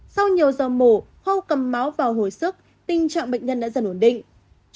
sau nhiều giờ mổ khâu cầm máu vào hồi sức tình trạng bệnh nhân đã dần ổn định